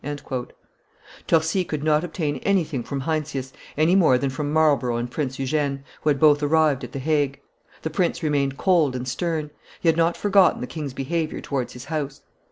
Torcy could not obtain anything from Heinsius, any more than from Marlborough and Prince Eugene, who had both arrived at the Hague: the prince remained cold and stern; he had not forgotten the king's behavior towards his house.